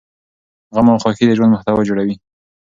غم او خوښي د ژوند محتوا جوړوي.